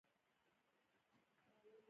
د افغانستان جغرافیه کې لعل ستر اهمیت لري.